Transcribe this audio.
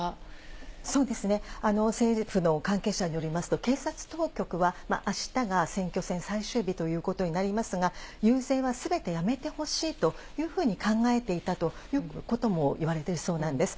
政府の関係者によりますと、警察当局はあしたが選挙戦最終日ということになりますが、遊説はすべてやめてほしいというふうに考えていたということもいわれているそうなんです。